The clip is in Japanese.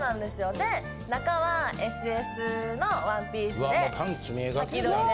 で中はＳＳのワンピースで先取りで。